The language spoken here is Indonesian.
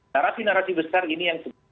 narasi narasi besar ini yang sangat penting